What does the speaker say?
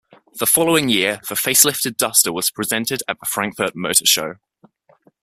The following year, the facelifted Duster was presented at the Frankfurt Motor Show.